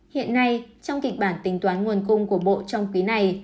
hiện nay trong kịch bản tính toán nguồn cung của bộ trong quý này